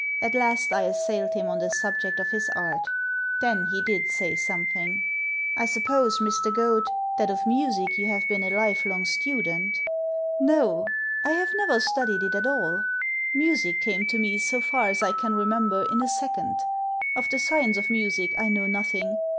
At last I assailed him on the subject of his art Then he did say some thing. " I suppose, Mr. Goad, that of music you have been a lifelong student ?"" No. I have never studied it at all. Music came to me, so far as I can remember, in a second. Of the science of music I know nothing.